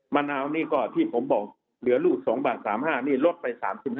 มะนาวนี่ก็ที่ผมบอกเหลือรูด๒บาท๓๕นี่ลดไป๓๕